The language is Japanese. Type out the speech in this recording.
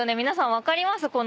皆さん分かります？